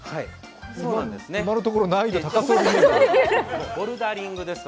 今のところ難易度高そうですけどね。